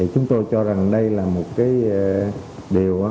chúng tôi cho rằng đây là một điều